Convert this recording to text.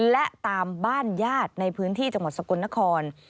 และตามบ้านญาติในพื้นที่จังหวัดสกลนคร